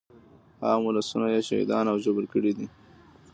عام ولسونه يې شهیدان او ژوبل کړي دي.